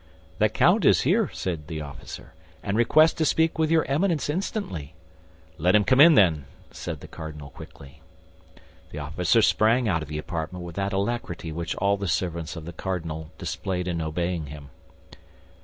"The count is here," said the officer, "and requests to speak with your Eminence instantly." "Let him come in, then!" said the cardinal, quickly. The officer sprang out of the apartment with that alacrity which all the servants of the cardinal displayed in obeying him.